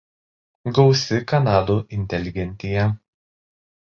Gausi kanadų inteligentija.